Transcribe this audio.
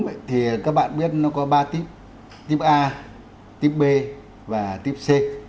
cúm thì các bạn biết nó có ba tiếp tiếp a tiếp b và tiếp c